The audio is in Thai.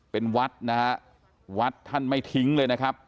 เป็นวัดนะฮะวัดท่านไม่ทิ้งเลยนะครับ